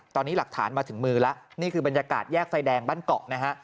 ตอนนี้หลักฐานมาถึงมือแล้วนี่คือบรรยากาศแยกไฟแดงบ้านเกาะนะฮะ